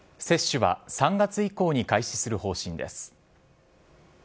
接種は３月以降に開始する方針です。